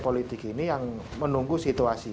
politik ini yang menunggu situasi